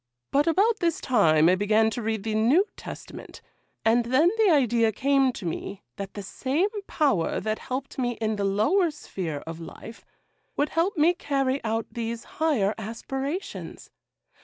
But about this time I began to read the New Testament, and then the idea came to me that the same Power that helped me in the lower sphere of life would help me carry out these higher aspirations.